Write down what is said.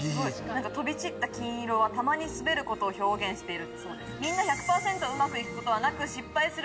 飛び散った金色はたまにスベることを表現している。